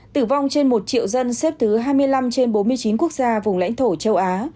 tử vong trên một triệu dân xếp thứ hai mươi năm trên bốn mươi chín quốc gia vùng lãnh thổ châu á